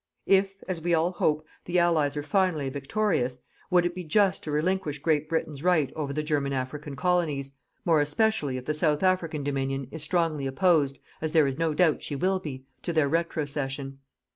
If, as we all hope, the Allies are finally victorious, would it be just to relinquish Great Britain's right over the German African Colonies, more especially if the South African Dominion is strongly opposed as there is no doubt she will be to their retrocession?